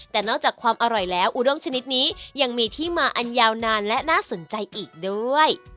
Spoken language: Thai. แต่นอกจากความอร่อยแล้วอุดงชนิดนี้ยังมีที่มาอันยาวนานและน่าสนใจอีกด้วย